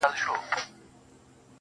داسي نه كيږي چي اوونـــۍ كې گـــورم,